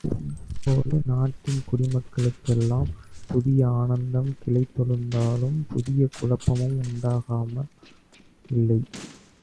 இப்போது நாட்டின் குடிமக்களுக்கெல்லாம் புதிய ஆனந்தம் கிளைத்தெழுந்தாலும், புதிய குழப்பமும் உண்டாகாமல் இல்லை.